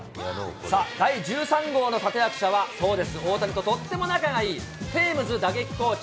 第１３号の立役者はそうです、大谷ととっても仲がいい、テームズ打撃コーチ。